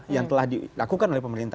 yang telah dilakukan oleh pemerintah